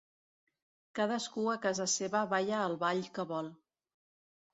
Cadascú a casa seva balla el ball que vol.